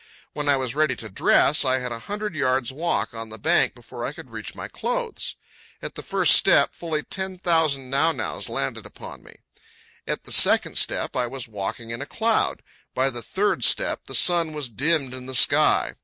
When I was ready to dress, I had a hundred yards' walk on the bank before I could reach my clothes. At the first step, fully ten thousand nau naus landed upon me. At the second step I was walking in a cloud. By the third step the sun was dimmed in the sky.